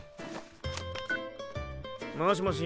もしもしー？